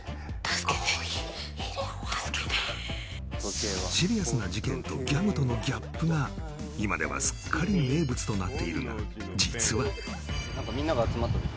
助けて助けてシリアスな事件とギャグとのギャップが今ではすっかり名物となっているが実はって言った瞬間